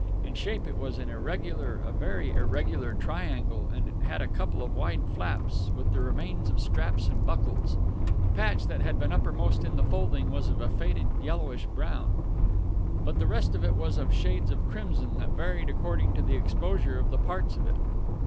In shape it was an irregular, a very irregular, triangle, and it had a couple of wide flaps, with the remains of straps and buckles. The patch that had been uppermost in the folding was of a faded yellowish brown; but the rest of it was of shades of crimson that varied according to the exposure of the parts of it.